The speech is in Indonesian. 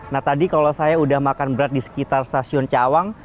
nah tadi kalau saya udah makan berat di sekitar stasiun cawang